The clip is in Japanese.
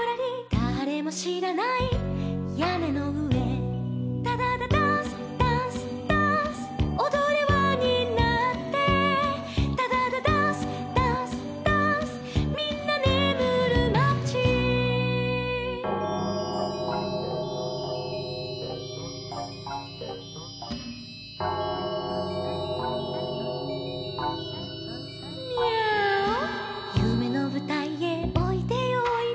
「だれもしらないやねのうえ」「ダダダダンスダンスダンス」「おどれわになって」「ダダダダンスダンスダンス」「みんなねむるまち」「ミャーオ」「ゆめのぶたいへおいでよおいで」